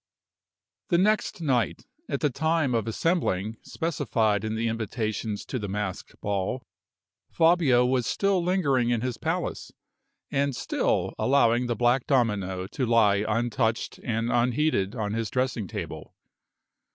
The next night, at the time of assembling specified in the invitations to the masked ball, Fabio was still lingering in his palace, and still allowing the black domino to lie untouched and unheeded on his dressing table.